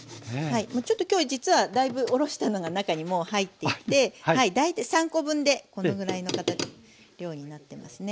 ちょっと今日実はだいぶおろしたのが中にもう入っていて３コ分でこのぐらいの量になってますね。